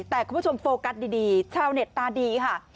แต่คุณผู้ชมโฟกัสดีชาวเน็ตตาดีค่ะ